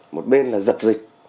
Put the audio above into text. một bên là dập dịch